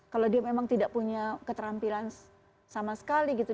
kalau dia memang tidak punya keterampilan sama sekali gitu